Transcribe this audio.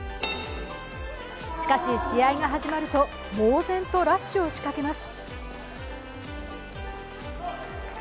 しかし試合が始まると猛然とラッシュを仕掛けます。